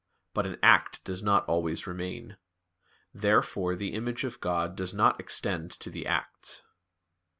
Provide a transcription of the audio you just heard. But an act does not always remain. Therefore the image of God does not extend to the acts.